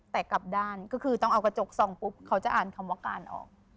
แต่กลับด้านก็คือต้องเอากระจกส่องปุ๊บเขาจะอ่านคำว่าการออก